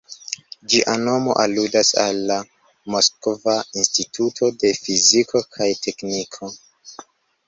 Ĝia nomo aludas al la Moskva Instituto de Fiziko kaj Tekniko.